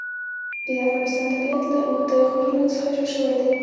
د افغانستان طبیعت له اوږده غرونه څخه جوړ شوی دی.